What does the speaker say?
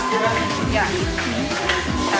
tapi kalau disini kan kelihatannya jauh